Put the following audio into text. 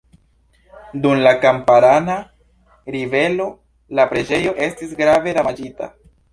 Dum la Kamparana ribelo la preĝejo estis grave damaĝita.